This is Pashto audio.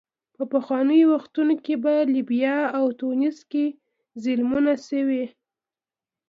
په پخوانیو وختونو کې په لیبیا او تونس کې ظلمونه شوي.